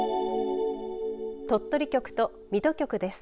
鳥取局と水戸局です。